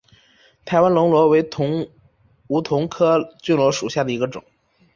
台湾梭罗为梧桐科梭罗树属下的一个种。